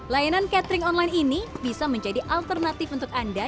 layanan catering online ini bisa menjadi alternatif untuk anda